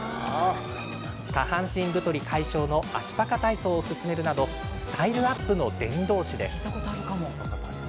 下半身太り解消の足パカ体操を勧めるなどスタイルアップの伝道師です。